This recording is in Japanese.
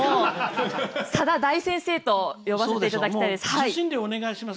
さだ大先生と呼ばせていただきたいです。